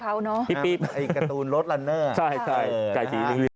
ไอ้การ์ตูนลดลันเนอร์